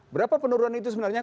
berapa penurunan itu sebenarnya